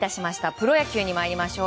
プロ野球に参りましょう。